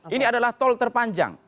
ini adalah tol terpanjang